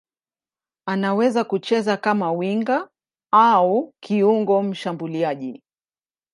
Anaweza kucheza kama winga au kiungo mshambuliaji.